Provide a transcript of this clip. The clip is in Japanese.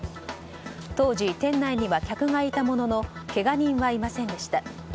当時、店内には客がいたもののけが人はいませんでした。